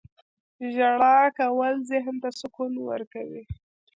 • ژړا کول ذهن ته سکون ورکوي.